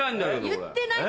言ってない！